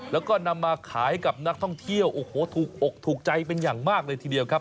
แล้วก็นำมาขายกับนักท่องเที่ยวโอ้โหถูกอกถูกใจเป็นอย่างมากเลยทีเดียวครับ